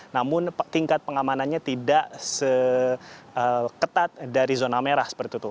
namun tingkat pengamanannya tidak seketat dari zona merah seperti itu